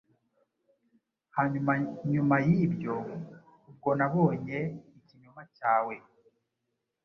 hanyuma, nyuma yibyo, ubwo nabonye ikinyoma cyawe